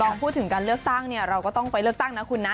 พอพูดถึงการเลือกตั้งเนี่ยเราก็ต้องไปเลือกตั้งนะคุณนะ